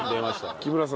木村さん